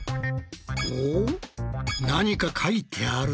お何か書いてあるぞ。